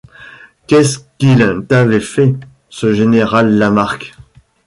Qu’est-ce qu’il t’avait fait, ce général Lamarque?